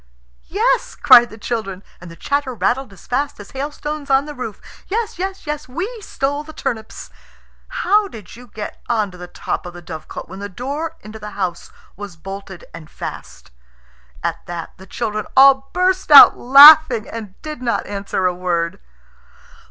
"Yes," cried the children, and the chatter rattled as fast as hailstones on the roof. "Yes! yes! yes! We stole the turnips." "How did you get on to the top of the dovecot when the door into the house was bolted and fast?" At that the children all burst out laughing, and did not answer a word.